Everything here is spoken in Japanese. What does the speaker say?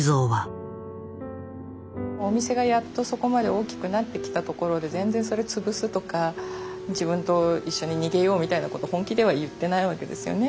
お店がやっとそこまで大きくなってきたところで全然それ潰すとか自分と一緒に逃げようみたいなこと本気では言ってないわけですよね。